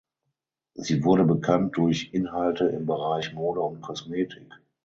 Sie wurde bekannt durch Inhalte im Bereich Mode und Kosmetik.